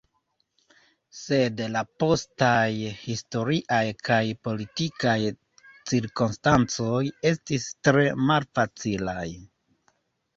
Sed la postaj historiaj kaj politikaj cirkonstancoj estis tre malfacilaj.